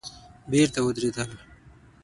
بېرته ودرېدل.